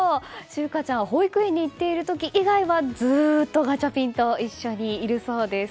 柊花ちゃんは保育園に行ってる時以外はずっとガチャピンと一緒にいるそうです。